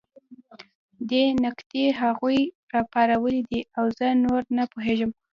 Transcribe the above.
دې نکتې هغوی راپارولي دي او زه نور نه پوهېږم